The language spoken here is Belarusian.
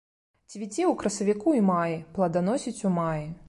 Цвіце ў красавіку і маі, плоданасіць у маі.